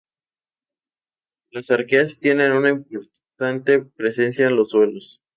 Las arqueas tiene una importante presencia en los suelos.